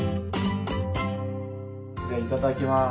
じゃあいただきます。